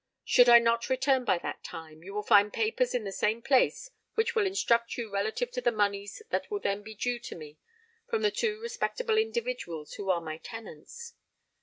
Should I not return by that time, you will find papers in the same place, which will instruct you relative to the moneys that will then be due to me from the two respectable individuals who are my tenants.